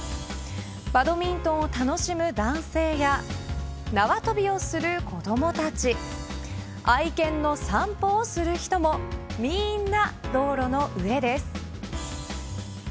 バドミントンを楽しむ男性や縄跳びをする子どもたち愛犬の散歩をする人もみんな道路の上です。